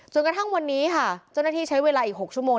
กระทั่งวันนี้ค่ะเจ้าหน้าที่ใช้เวลาอีก๖ชั่วโมง